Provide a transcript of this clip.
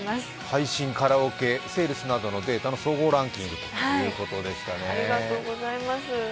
配信カラオケセールスなどの総合ランキングということです。